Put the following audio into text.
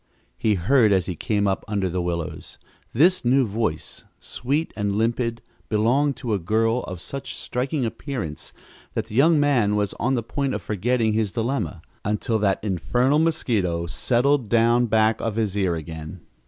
he heard as he came up under the willows. This new voice, sweet and limpid, belonged to a girl of such striking appearance that the young man was on the point of forgetting his dilemma until that infernal mosquito settled down back of his ear again!